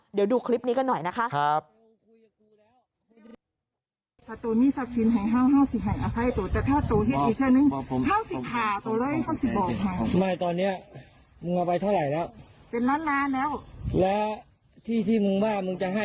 เดี๋ยวดูคลิปนี้กันหน่อยนะคะ